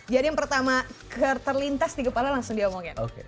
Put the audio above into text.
jadi yang pertama terlintas di kepala langsung diomongin